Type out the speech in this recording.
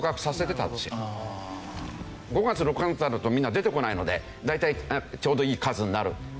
５月６月になるとみんな出てこないので大体ちょうどいい数になるというのがあって。